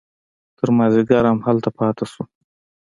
تر مازديګره هملته پاته سو.